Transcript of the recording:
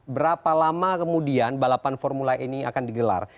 berapa lama kemudian balapan formula e ini akan digelar